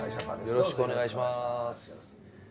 よろしくお願いします。